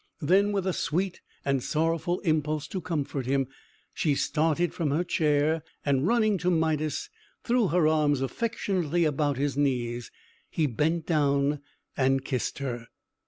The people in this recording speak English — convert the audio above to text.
Then, with a sweet and sorrowful impulse to comfort him, she started from her chair, and, running to Midas, threw her arms affectionately about his knees. He bent down and kissed her.